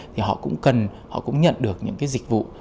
thì họ cũng cần họ cũng nhận được những cái dịch vụ